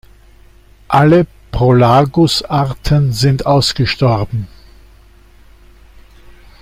Alle "Prolagus"-Arten sind ausgestorben.